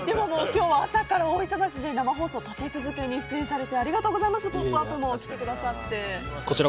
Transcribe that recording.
今日は朝から大忙しで生放送立て続けに出演されてありがとうございます「ポップＵＰ！」も来てくださって。